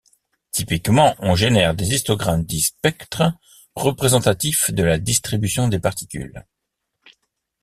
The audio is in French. Typiquement, on génère des histogrammes dits spectres, représentatifs de la distribution des particules.